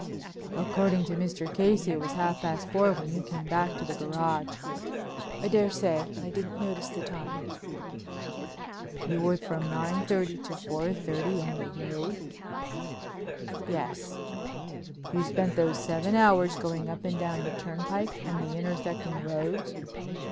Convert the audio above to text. "According to Mr. Casey it was half past four when you came back to the garage." "I daresay; I didn't notice the time." "You were from 9:30 to 4:30 on the road?" "Yes." "You spent those seven hours going up and down the turnpike and the intersecting roads?"